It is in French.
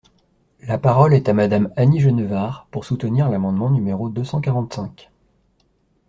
La parole est à Madame Annie Genevard, pour soutenir l’amendement numéro deux cent quarante-cinq.